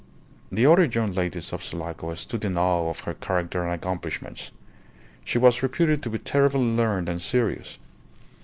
The other young ladies of Sulaco stood in awe of her character and accomplishments. She was reputed to be terribly learned and serious.